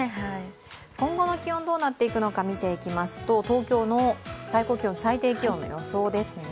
今後の気温はどうなっていくのか、見ていきますと、東京の最高気温、最低気温の予想ですね。